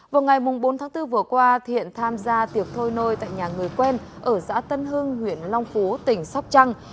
vào ngày bốn tháng bốn vừa qua thiện tham gia tiệc thôi nôi tại nhà người quen ở giã tân hưng huyện long phú tỉnh sóc trăng